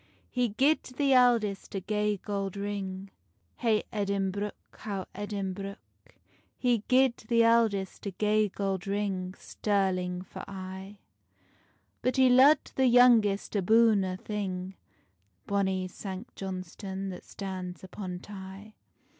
He gied the eldest a gay gold ring, Hey Edinbruch, how Edinbruch. He gied the eldest a gay gold ring, Stirling for aye: But he lo'ed the youngest aboon a' thing, Bonny Sanct Johnstonne that stands upon Tay.